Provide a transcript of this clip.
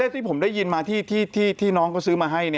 ที่ผมได้ยินมาที่น้องเขาซื้อมาให้